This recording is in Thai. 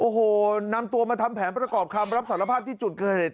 โหนำตัวมาทำแผนปรากรรมคำรับสารพัดที่จุดเกอร์เห็ด